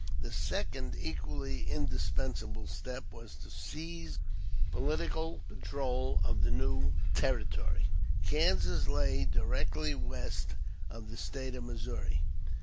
The second equally indispensable step was to seize the political control of the new Territory. Kansas lay directly west of the State of Missouri.